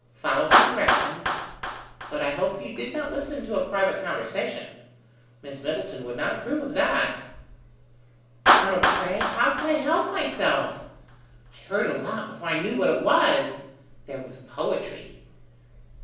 Follow her directions. But I hope you did not listen to a private conversation. Miss Middleton would not approve of that." "Colonel De Craye, how could I help myself? I heard a lot before I knew what it was. There was poetry!"